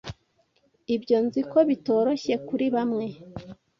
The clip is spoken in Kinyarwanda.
Ibyo nziko bitoroshye kuri bamwe